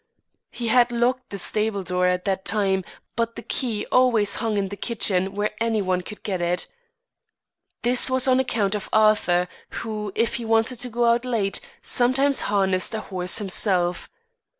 He had locked the stable door at that time, but the key always hung in the kitchen where any one could get it. This was on account of Arthur, who, if he wanted to go out late, sometimes harnessed a horse himself.